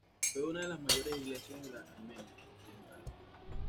Fue una de las mayores iglesias de la Armenia occidental.